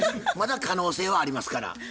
まだ可能性はありますから。